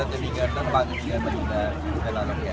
ไม่แต่งงานเพราะมันเลือกมาก